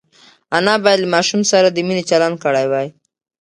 انا باید له ماشوم سره د مینې چلند کړی وای.